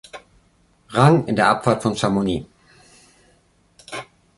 Rang in der Abfahrt von Chamonix.